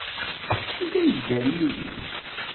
Anda ay yedder Yidir?